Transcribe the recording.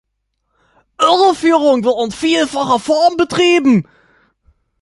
Irreführung wird in vielfacher Form betrieben.